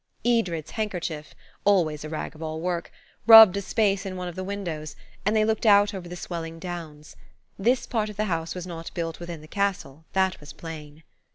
Edred's handkerchief–always a rag of all work–rubbed a space in one of the windows, and they looked out over the swelling downs. This part of the house was not built within the castle, that was plain.